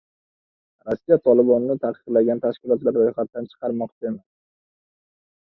Rossiya Tolibonni taqiqlangan tashkilotlar ro‘yxatidan chiqarmoqchi emas